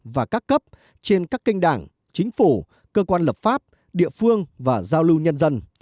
và các cấp trên các kênh đảng chính phủ cơ quan lập pháp địa phương và giao lưu nhân dân